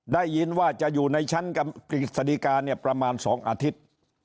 ได้ยินว่าจะอยู่ในชั้นกฤษฎิกาเนี่ยประมาณ๒อาทิตย์